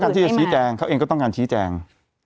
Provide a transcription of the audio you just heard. เขาก็ต้องการชี้แจงเขาเองก็ต้องการชี้แจง